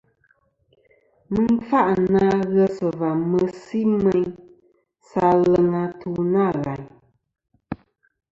Mɨ n-kfâʼ na ghes va mesi meyn sa aleŋ atu nâ ghàyn.